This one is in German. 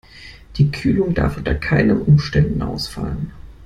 Die Kühlung darf unter keinen Umständen ausfallen.